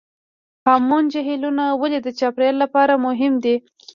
هامون جهیلونه ولې د چاپیریال لپاره مهم دي؟